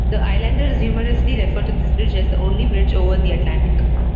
The islanders humorously refer to this bridge as the only bridge over the Atlantic.